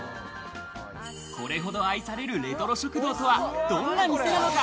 これほど愛されるレトロ食堂とは、どんな店なのか？